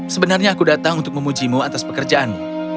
sebenarnya aku datang untuk memuji mu atas pekerjaanmu